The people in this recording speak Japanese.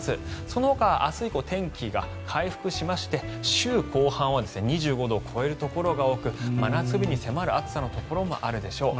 そのほかは明日以降天気が回復しまして週後半は２５度を超えるところが多く真夏日に迫る暑さのところもあるでしょう。